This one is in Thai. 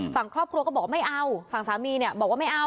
ฝั่งครอบครัวก็บอกว่าไม่เอาฝั่งสามีเนี่ยบอกว่าไม่เอา